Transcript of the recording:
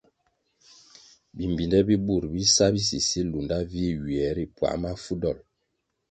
Bimbpinde bi bur bi sa bisisi lunda vih ywie ri puãh mafu dol.